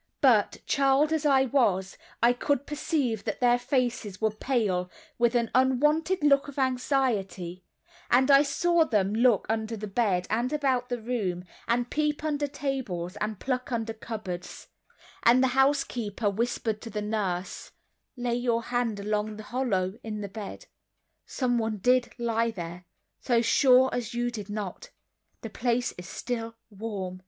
But, child as I was, I could perceive that their faces were pale with an unwonted look of anxiety, and I saw them look under the bed, and about the room, and peep under tables and pluck open cupboards; and the housekeeper whispered to the nurse: "Lay your hand along that hollow in the bed; someone did lie there, so sure as you did not; the place is still warm."